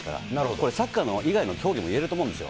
これ、サッカー以外の競技でも言えると思うんですよ。